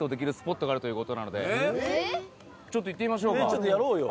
ちょっとやろうよ。